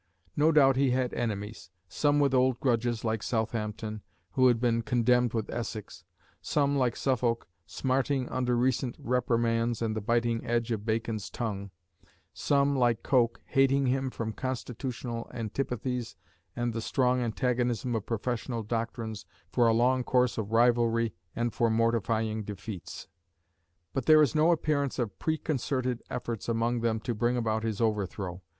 No doubt he had enemies some with old grudges like Southampton, who had been condemned with Essex; some like Suffolk, smarting under recent reprimands and the biting edge of Bacon's tongue; some like Coke, hating him from constitutional antipathies and the strong antagonism of professional doctrines, for a long course of rivalry and for mortifying defeats. But there is no appearance of preconcerted efforts among them to bring about his overthrow.